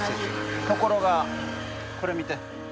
ところがこれ見て。